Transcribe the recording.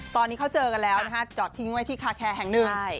ตอนนี้เขาเจอกันแล้วนะฮะจอดทิ้งไว้ที่คาแคร์แห่งหนึ่ง